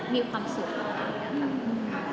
มีความสุขของพ่อ